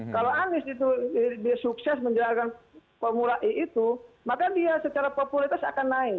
kalau anies itu dia sukses menjalankan formula e itu maka dia secara popularitas akan naik